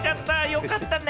よかったね。